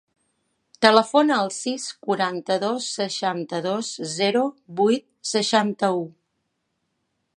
Telefona al sis, quaranta-dos, seixanta-dos, zero, vuit, seixanta-u.